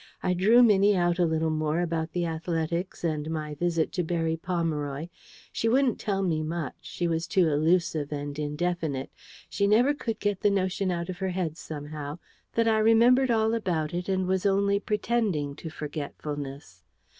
I drew Minnie out a little more about the Athletics and my visit to Berry Pomeroy. She wouldn't tell me much: she was too illusive and indefinite: she never could get the notion out of her head, somehow, that I remembered all about it, and was only pretending to forgetfulness.